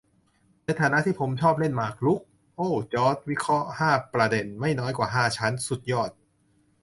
"ในฐานะที่ผมชอบเล่นหมากรุก" ! โอ้ว จอร์จ วิเคราะห์ห้าประเด็น ไม่น้อยกว่าห้าชั้น สุดยอด !